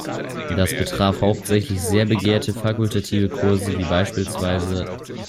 Das betraf hauptsächlich sehr begehrte fakultative Kurse, wie bspw.